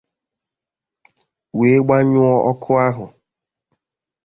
wee gbanyụọ ọkụ ahụ